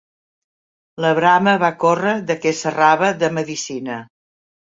La brama va córrer de que s'errava de medicina